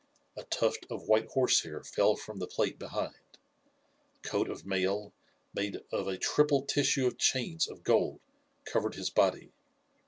A tuft of white horsehair fell from the plate behind. A coat of mail, made of a triple tissue of chains of gold, covered his body.